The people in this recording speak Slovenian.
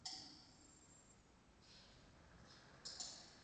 Kratka ljubezen, dolgi vzdihi.